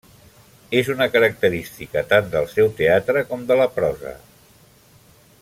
És una característica tant del seu teatre com de la prosa.